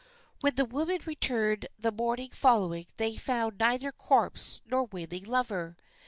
When the women returned the morning following they found neither corpse nor wailing lover.